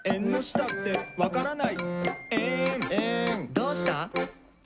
「どうした？」